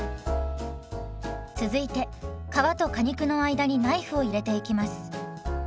続いて皮と果肉の間にナイフを入れていきます。